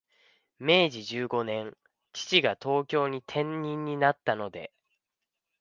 明治十五年、父が東京に転任になったので、